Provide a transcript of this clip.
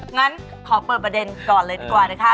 งั้นขอเปิดประเด็นก่อนเลยดีกว่านะคะ